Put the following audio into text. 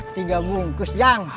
tiga bungkus jang